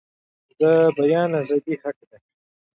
د بیان ازادي حق دی